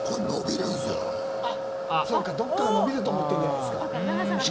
どこかが伸びると思ってるんじゃないですか。